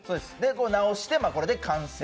直してこれで完成。